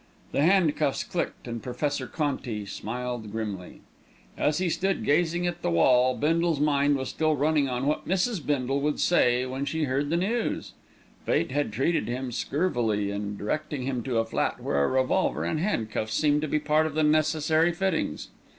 The handcuffs clicked and Professor Conti smiled grimly. As he stood gazing at the wall, Bindle's mind was still running on what Mrs. Bindle would say when she heard the news. Fate had treated him scurvily in directing him to a flat where a revolver and handcuffs seemed to be part of the necessary fittings.